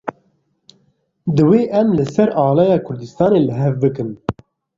Divê em li ser alaya Kurdistanê li hev bikin.